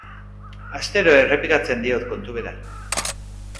Astero errepikatzen diot kontu bera.